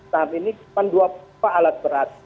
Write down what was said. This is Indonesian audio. saham ini cuma dua alat berat